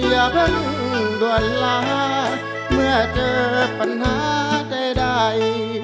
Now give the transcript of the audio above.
อย่าเพิ่งด่วนลาเมื่อเจอปัญหาใด